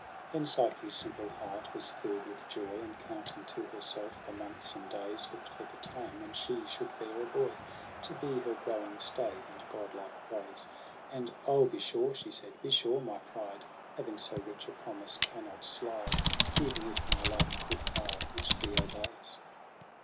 Then Psyche's simple heart was fill'd with joy. And counting to herself the months and days, Look'd for the time, when she should bear a boy To be her growing stay and godlike praise. And ' O be sure,' she said, ' be sure, my pride Having so rich a promise cannot slide. Even if my love coud fail which thee obeys.'